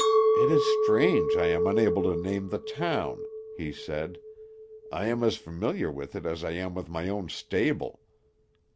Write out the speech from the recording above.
"It is strange I am unable to name the town," he said; "I am as familiar with it as I am with my own stable.